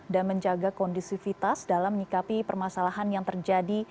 dan menjaga kondisivitas dalam menyikapi permasalahan yang terjadi